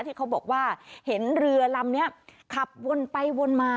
ที่เขาบอกว่าเห็นเรือลำนี้ขับวนไปวนมา